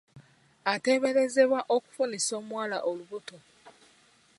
Ateeberezebwa okufunisa omuwala olubuto.